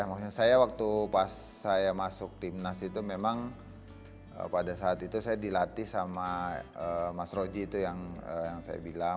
maksudnya saya waktu pas saya masuk timnas itu memang pada saat itu saya dilatih sama mas roji itu yang saya bilang